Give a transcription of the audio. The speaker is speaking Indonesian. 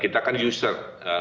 kita kan user